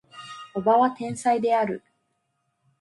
叔母は天才である